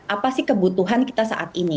apa sih kebutuhan kita saat ini